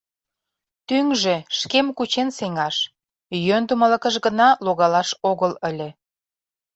Тӱҥжӧ — шкем кучен сеҥаш, йӧндымылыкыш гына логалаш огыл ыле.